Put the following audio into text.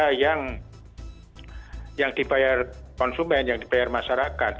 harga yang dibayar konsumen yang dibayar masyarakat